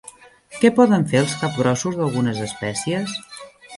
Què poden fer els capgrossos d'algunes espècies?